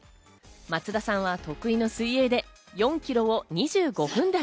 松田さんは得意の水泳で４キロを２５分台。